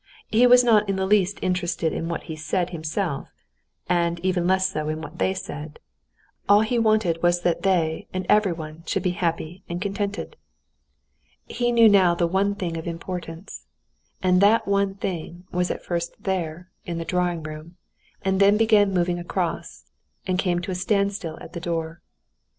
He was not in the least interested in what he said himself, and even less so in what they said; all he wanted was that they and everyone should be happy and contented. He knew now the one thing of importance; and that one thing was at first there, in the drawing room, and then began moving across and came to a standstill at the door.